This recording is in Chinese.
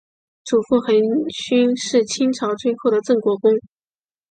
祖父恒煦是清朝最后的镇国公。